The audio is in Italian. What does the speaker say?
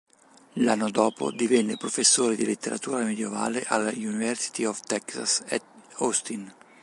L'anno dopo, divenne professore di letteratura medievale alla University of Texas at Austin.